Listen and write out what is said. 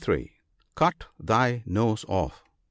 (63 ) Cut thy nose off.